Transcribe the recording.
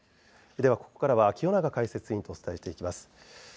では、ここからは清永解説委員とお伝えしていきます。